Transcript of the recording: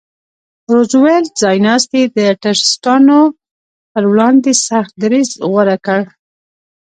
روزولټ ځایناستي د ټرستانو پر وړاندې سخت دریځ غوره کړ.